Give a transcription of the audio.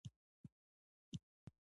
هغه د باغ میوه په بازار کې وپلورله.